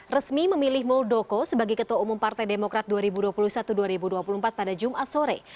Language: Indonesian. resmi memilih muldoko sebagai ketua umum partai demokrat dua ribu dua puluh satu dua ribu dua puluh empat pada jumat sore